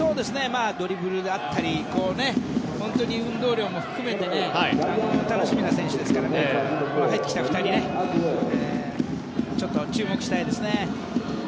ドリブルであったり運動量も含めて楽しみな選手ですから入ってきた２人ちょっと注目したいですね。